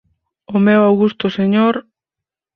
O meu augusto señor...